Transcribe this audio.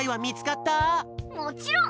もちろん！